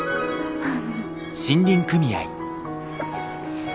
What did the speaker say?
はい。